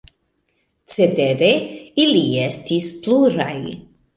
Cetere, ili estis pluraj.